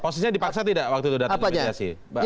posisinya dipaksa tidak waktu itu datang mediasi